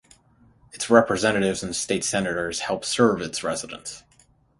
Its representatives and state senators help serve its residents.